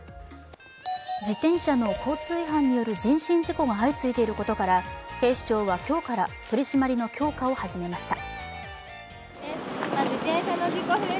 自転車の交通違反による人身事故が相次いでいることから警視庁は今日から取り締まりの強化を始めました。